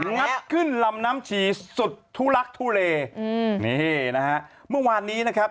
งัดขึ้นลำน้ำชีสุดทุลักทุเลอืมนี่นะฮะเมื่อวานนี้นะครับ